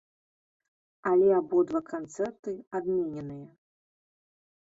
Але абодва канцэрты адмененыя.